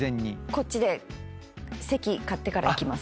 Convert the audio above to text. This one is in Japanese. こっちで席買ってから行きます。